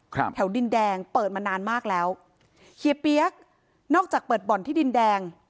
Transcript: แถวดินแดงเปิดมานานมากแล้วเฮียเปี๊ยกนอกจากเปิดบ่อนที่ดินแดง